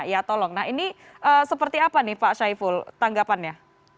ya tolong nah ini seperti apa nih pak syaiful tanggapannya